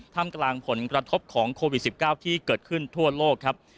ทำกลางผลกระทบของโควิด๑๙ที่เกิดขึ้นทั่วโลกครับ